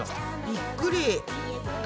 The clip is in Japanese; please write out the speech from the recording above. びっくり。